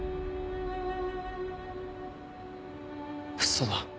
嘘だ。